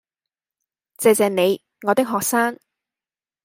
謝謝你，我的學生